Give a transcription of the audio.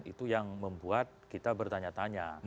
itu yang membuat kita bertanya tanya